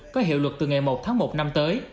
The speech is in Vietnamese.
có hiệu lực từ ngày một tháng một năm tới